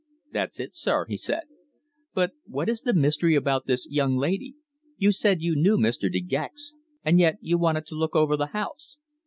"That's it, sir," he said. "But what is the mystery about this young lady? You said you knew Mr. De Gex, and yet you wanted to look over the house."